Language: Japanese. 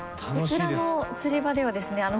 こちらの釣り場ではですね